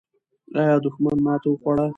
آیا دښمن ماته وخوړه؟